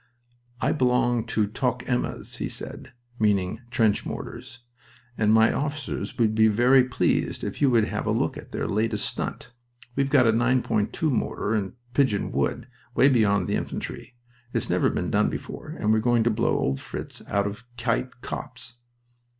"I belong to Toc emmas," he said (meaning trench mortars), "and my officers would be very pleased if you would have a look at their latest stunt. We've got a 9.2 mortar in Pigeon Wood, away beyond the infantry. It's never been done before and we're going to blow old Fritz out of Kite Copse."